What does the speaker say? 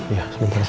iya sebentar saya